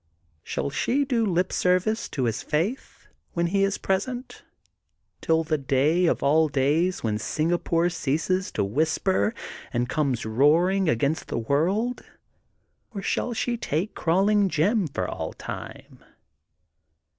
Shall Bhe do lip service to his faith, whten he is present, till the day of all days when Singapore ceases to whisper and comes roaring against the world? Or shall she take Crawling Jim for all time?